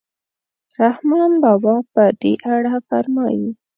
رحمان بابا په دې اړه فرمایي.